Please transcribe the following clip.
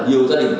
nhiều gia đình